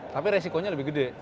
tapi resikonya lebih gede